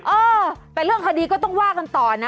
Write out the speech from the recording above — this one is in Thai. เออแต่เรื่องคดีก็ต้องว่ากันต่อนะ